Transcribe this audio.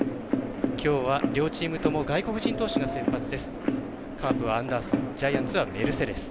きょうは両チームとも外国人投手が先発です。